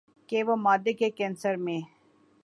کہ وہ معدے کے کینسر میں